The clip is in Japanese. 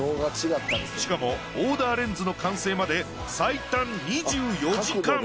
しかもオーダーレンズの完成まで最短２４時間。